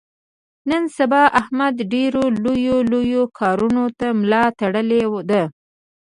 نن سبا احمد ډېرو لویو لویو کاونو ته ملا تړلې ده.